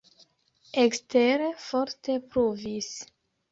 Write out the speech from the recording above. Ekstere forte pluvis.